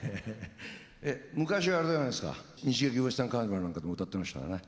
昔はあれじゃないですか日劇ウエスタンカ−ニバルなんかでも歌ってましたよね？